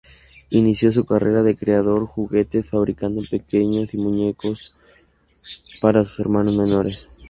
Inició su carrera de creador juguetes fabricando pequeños y muñecos para sus hermanos menores.